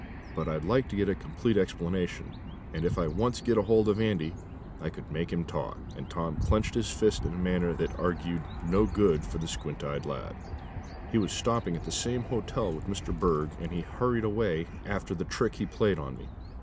But I'd like to get a complete explanation, and if I once got hold of Andy I could make him talk," and Tom clenched his fist in a manner that augured no good for the squint eyed lad. "He was stopping at the same hotel with Mr. Berg, and he hurried away after the trick he played on me.